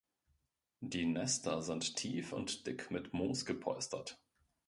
Die Nester sind tief und dick mit Moos gepolstert.